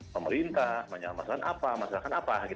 pemerintah menyalahkan apa